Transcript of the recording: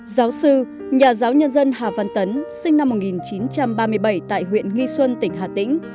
giáo sư nhà giáo nhân dân hà văn tấn sinh năm một nghìn chín trăm ba mươi bảy tại huyện nghi xuân tỉnh hà tĩnh